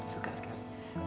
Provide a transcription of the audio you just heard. aku suka sekali